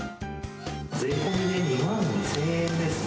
税込みで２万２０００円ですね。